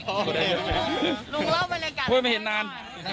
ลุงเล่าบรรยากาศโอ้ยไม่เห็นนาน